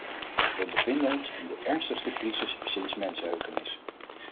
We bevinden ons in de ernstigste crisis sinds mensenheugenis.